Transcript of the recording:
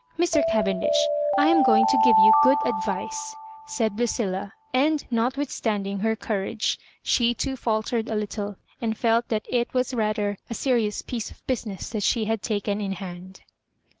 Mr. Cavendish, I am going to give you good ad vice," said Ludila; and, notwithstanding her courage, she totfialtered a little, and felt that it was rather a serious piece of bosinees that she had taken in hand.